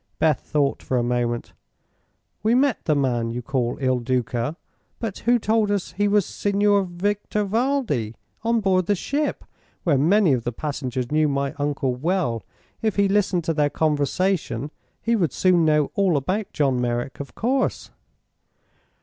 Beth thought a moment. "We met the man you call Il Duca, but who told us he was Signor Victor Valdi, on board the ship, where many of the passengers knew my uncle well. If he listened to their conversation he would soon know all about John Merrick, of course."